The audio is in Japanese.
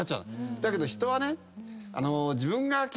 だけど人はね。